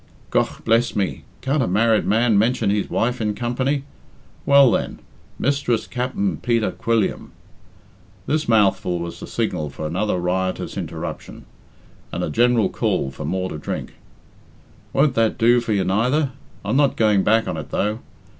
"Gough bless me, can't a married man mention his wife in company? Well then. Mistress Cap'n Peter Quilliam " This mouthful was the signal for another riotous interruption, and a general call for more to drink. "Won't that do for you neither? I'm not going back on it, though.